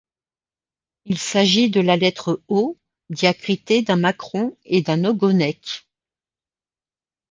Il s’agit de la lettre O diacritée d’un macron et d’un ogonek.